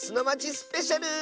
スペシャル！